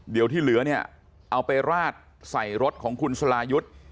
เดี๋ยวที่เหลือเนี่ยเอาไปราดใส่รถของคุณสลายุทธ์